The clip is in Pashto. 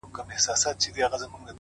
تا د ورځي زه د ځان كړمه جانـانـه-